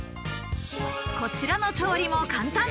こちらの調理も簡単。